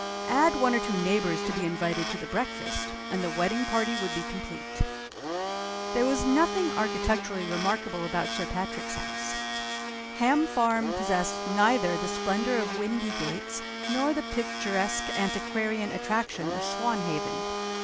Add one or two neighbors to be invited to the breakfast and the wedding party would be complete. There was nothing architecturally remarkable about Sir Patrick's house. Ham Farm possessed neither the splendor of Windygates nor the picturesque antiquarian attraction of Swanhaven.